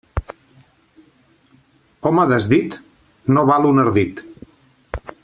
Home desdit no val un ardit.